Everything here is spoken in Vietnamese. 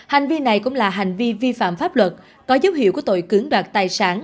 hành vi này cũng là hành vi vi phạm pháp luật có dấu hiệu của tội cưỡng đoạt tài sản